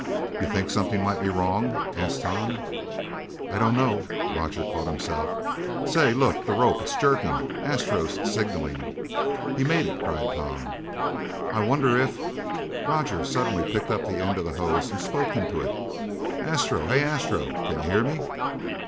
"You think something might be wrong?" asked Tom. "I don't know " Roger caught himself. "Say, look the rope! It's jerking Astro's signaling!" "He made it!" cried Tom. "I wonder if " Roger suddenly picked up the end of the hose and spoke into it. "Astro? Hey, Astro, can you hear me?"